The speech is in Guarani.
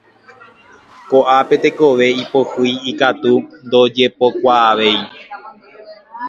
Koʼápe tekove ipohýi ikatu ndojepokuaapyaʼéi.